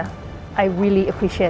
saya sangat menghargainya